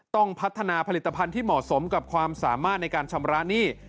ต้องพัฒนาผลิตภัณฑ์ที่เหมาะสมกับความสามารถในการชำระหนี้